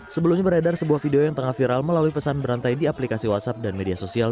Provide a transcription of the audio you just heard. sebelumnya beredar sebuah video yang tengah viral melalui pesan berantai di aplikasi whatsapp dan media sosial